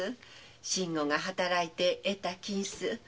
信吾が働いて得た金子。